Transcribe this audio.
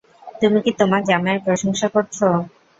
তুমি কি তোমার জামাইয়ের প্রশংসা করছ?